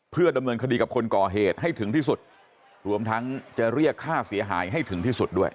เพื่อดำเนินคดีกับคนก่อเหตุให้ถึงที่สุดรวมทั้งจะเรียกค่าเสียหายให้ถึงที่สุดด้วย